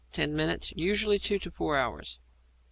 _ Ten minutes; usually two to four hours.